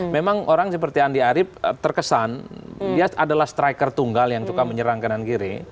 memang orang seperti andi arief terkesan dia adalah striker tunggal yang suka menyerang kanan kiri